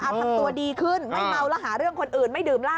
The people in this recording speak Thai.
ทำตัวดีขึ้นไม่เมาแล้วหาเรื่องคนอื่นไม่ดื่มเหล้า